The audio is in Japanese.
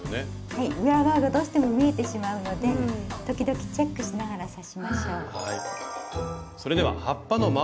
はい裏側がどうしても見えてしまうので時々チェックしながら刺しましょう。